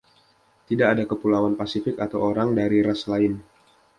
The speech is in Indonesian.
Tidak ada Kepulauan Pasifik atau orang dari ras lain.